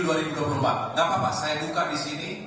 tidak apa apa saya buka di sini